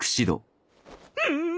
うん！